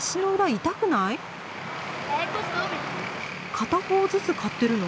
片方ずつ買ってるの？